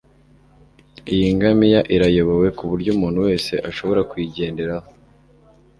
Iyi ngamiya irayobowe kuburyo umuntu wese ashobora kuyigenderaho